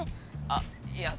あっいや